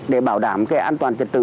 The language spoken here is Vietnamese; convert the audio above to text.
để bảo đảm cái an toàn trật tự